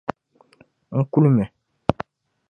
N kuli mi.